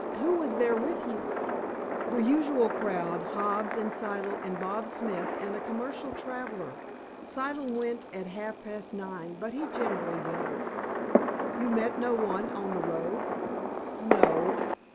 "Who was there with you?" "The usual crowd—Hobbs, and Siddle, and Bob Smith, and a commercial traveler. Siddle went at half past nine, but he generally does." "You met no one on the road?" "No."